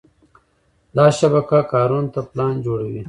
دا شبکه کارونو ته پلان جوړوي.